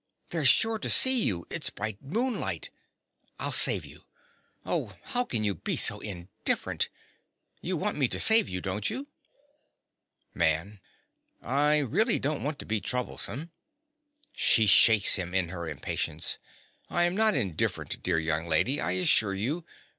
They're sure to see you: it's bright moonlight. I'll save you—oh, how can you be so indifferent? You want me to save you, don't you? MAN. I really don't want to be troublesome. (She shakes him in her impatience.) I am not indifferent, dear young lady, I assure you.